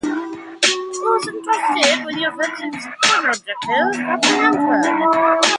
It was entrusted with the offensive's primary objective, capturing Antwerp.